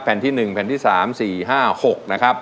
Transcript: แผ่นที่๑แผ่นที่๓๔๕๖นะครับ